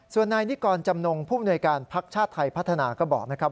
ส่วนนายนิกรจำนงผู้มนวยการพักชาติไทยพัฒนาก็บอกนะครับ